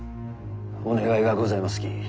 お願いがございますき。